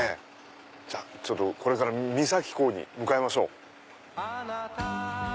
じゃあこれから三崎港に向かいましょう。